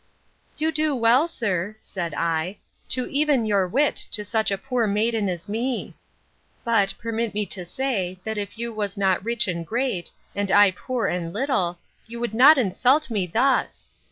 You do well, sir, said I, to even your wit to such a poor maiden as me: but, permit me to say, that if you was not rich and great, and I poor and little, you would not insult me thus.